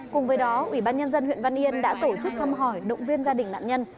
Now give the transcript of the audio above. cùng với đó ủy ban nhân dân huyện văn yên đã tổ chức thăm hỏi động viên gia đình nạn nhân